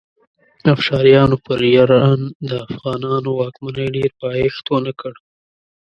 افشاریانو پر ایران د افغانانو واکمنۍ ډېر پایښت ونه کړ.